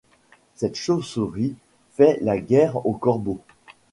Cette chauve-souris fait la guerre au corbeau.